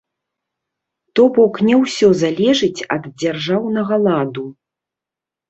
То бок, не ўсё залежыць ад дзяржаўнага ладу.